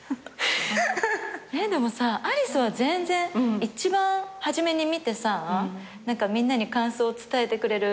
でもさアリスは全然一番初めに見てさみんなに感想を伝えてくれる。